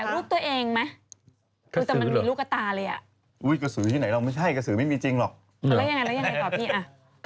ราศุนย์ที่เห็นเป็นคลิปพี่เห็นเปล่าที่ขับรถไปอยู่ข้างหน้า